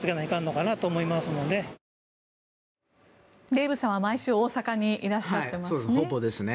デーブさんは、毎週大阪にいらっしゃってますね。